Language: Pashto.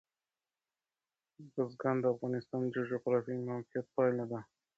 بزګان د افغانستان د جغرافیایي موقیعت پایله ده.